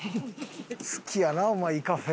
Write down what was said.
好きやなお前イカフェ。